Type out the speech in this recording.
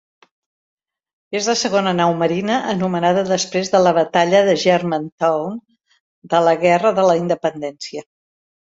És la segona nau marina anomenada després de la Batalla de Germantown de la Guerra de la Independència.